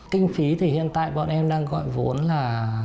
kinh phí thì hiện tại bọn em đang gọi vốn là